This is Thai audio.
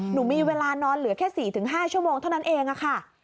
หนูมีเวลานอนเหลือแค่๔๕ชั่วโมงเท่านั้นเองค่ะ